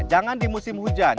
jangan di musim hujan